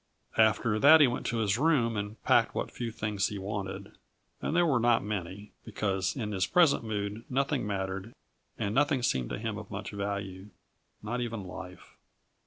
After that he went to his room and packed what few things he wanted; and they were not many, because in his present mood nothing mattered and nothing seemed to him of much value not even life.